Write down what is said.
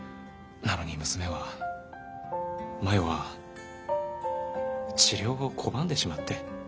なのに娘は真与は治療を拒んでしまって。